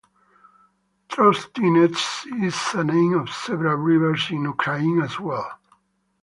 Trostianets is a name of several rivers in Ukraine as well.